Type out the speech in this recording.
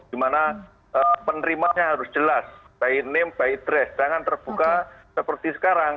dimana penerimanya harus jelas by name by dress jangan terbuka seperti sekarang